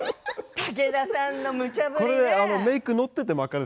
武田さんのむちゃ振り。